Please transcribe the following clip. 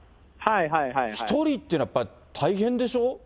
１人ってやっぱり大変でしょ？